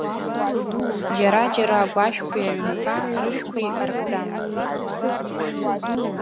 Џьара-џьара агәашәқәеи аҩнқәа рышәқәеи аркӡамызт.